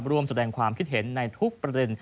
ร่วมแสดงความคิดเห็นในทุกประเด็น